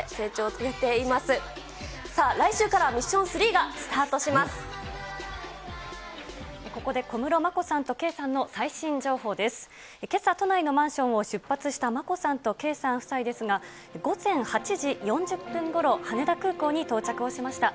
けさ、都内のマンションを出発した眞子さんと圭さん夫妻ですが、午前８時４０分ごろ、羽田空港に到着をしました。